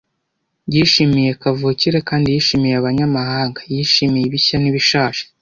Yishimiye kavukire kandi yishimiye abanyamahanga, yishimiye ibishya n'ibishaje,